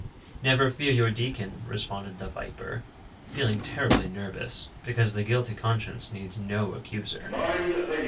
"Never fear your deacon," responded the viper, feeling terribly nervous, because the guilty conscience needs no accuser.